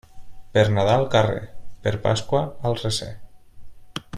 Per Nadal al carrer, per Pasqua al recer.